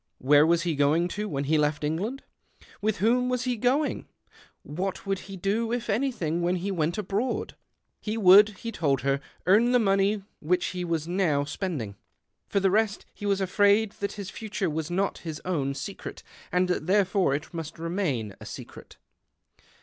Where was he o oino to o o vhen he left England ? With whom was he ^oing ? What would he do — if anything — ^vhen he went abroad ? He would, he told [ler, earn the money which he was now ■spending. For the rest he was afraid that [lis future was not his own secret, and that therefore it must remain a secret.